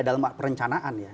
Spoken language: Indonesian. ini di dalam perencanaan ya